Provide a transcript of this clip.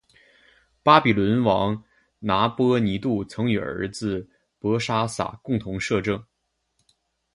巴比伦王拿波尼度曾与儿子伯沙撒共同摄政。